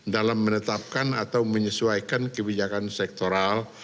dalam menetapkan atau menyesuaikan kebijakan sektoral